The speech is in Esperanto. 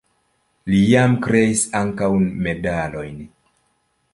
Li jam kreis ankaŭ medalojn.